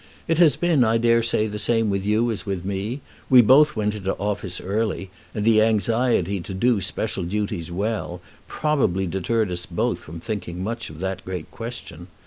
It has been, I dare say, the same with you as with me. We both went into office early, and the anxiety to do special duties well probably deterred us both from thinking much of the great question.